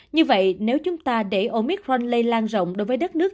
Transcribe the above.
như vậy nếu chúng ta để omicron lây lan rộng đối với đất nước